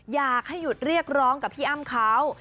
อยากให้หยุดเรียกร้องกับพี่อ้ำเขา